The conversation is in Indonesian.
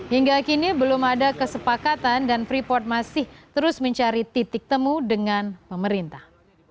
hingga kini belum ada kesepakatan dan freeport masih terus mencari titik temu dengan pemerintah